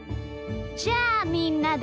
じゃあみんなで。